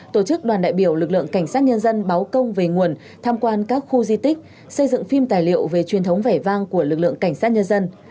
tổ chức đoàn đại biểu lực lượng cảnh sát nhân dân báo công về nguồn tham quan các khu di tích xây dựng phim tài liệu về truyền thống vẻ vang của lực lượng cảnh sát nhân dân